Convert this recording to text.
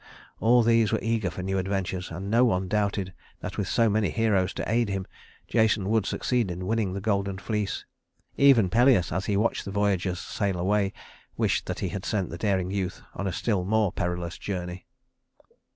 All these were eager for new adventures, and no one doubted that with so many heroes to aid him, Jason would succeed in winning the golden fleece. Even Pelias, as he watched the voyagers sail away, wished that he had sent the daring youth on a still more perilous journey.